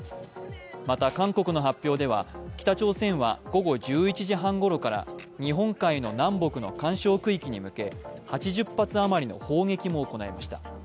また、韓国の発表では北朝鮮は午後１１時半ごろから日本海の南北の緩衝区域に向け、８０発あまりの砲撃も行いました。